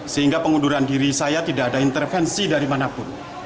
sehingga pengunduran diri saya tidak ada intervensi dari manapun